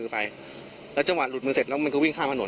เราจะขึ้นมาหั่วไปกินข้ามขนวน